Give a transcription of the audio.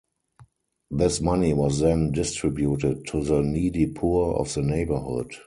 This money was then distributed to the needy poor of the neighborhood.